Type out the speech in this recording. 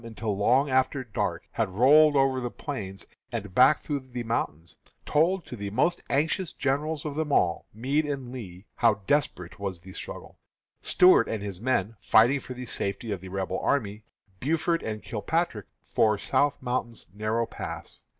until long after dark, had rolled over the plains and back through the mountains, told to the most anxious generals of them all, Meade and Lee, how desperate was the struggle Stuart and his men fighting for the safety of the Rebel army, Buford and Kilpatrick for South Mountain's narrow Pass.